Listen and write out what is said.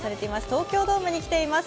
東京ドームに来ています。